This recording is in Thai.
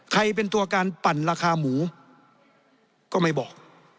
เป็นตัวการปั่นราคาหมูก็ไม่บอก